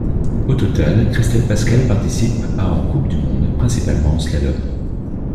Au total, Christel Pascal participe à en Coupe du monde, principalement en slalom.